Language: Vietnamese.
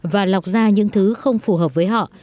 và lọc ra những thứ không phù hợp với họ